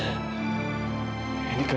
ini bukan salah kak